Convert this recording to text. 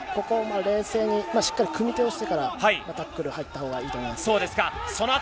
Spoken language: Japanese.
冷静にしっかり組み手をしてからタックルに入ったほうがいいと思います。